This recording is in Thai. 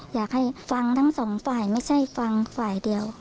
อยากให้ฟังทั้งสองฝ่ายไม่ใช่ฟังฝ่ายเดียว